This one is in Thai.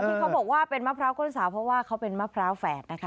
ที่เขาบอกว่าเป็นมะพร้าวก้นสาวเพราะว่าเขาเป็นมะพร้าวแฝดนะคะ